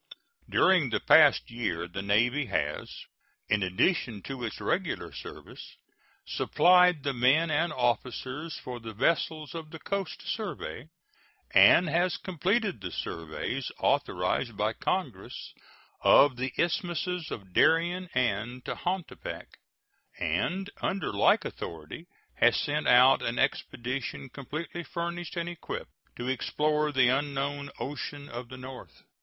During the past year the Navy has, in addition to its regular service, supplied the men and officers for the vessels of the Coast Survey, and has completed the surveys authorized by Congress of the isthmuses of Darien and Tehuantepec, and, under like authority, has sent out an expedition, completely furnished and equipped, to explore the unknown ocean of the north.